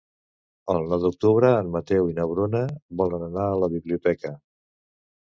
El nou d'octubre en Mateu i na Bruna volen anar a la biblioteca.